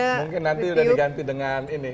mungkin nanti sudah diganti dengan ini